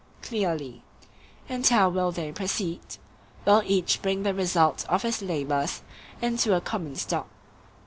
Clearly. And how will they proceed? Will each bring the result of his labours into a common stock?